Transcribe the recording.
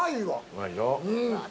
うまいでしょう。